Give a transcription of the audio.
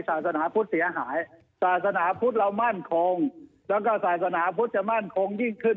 ศาสนาพุทธเสียหายศาสนาพุทธเรามั่นคงแล้วก็ศาสนาพุทธจะมั่นคงยิ่งขึ้น